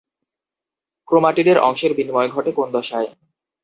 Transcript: ক্রোমাটিডের অংশের বিনিময় ঘটে কোন দশায়?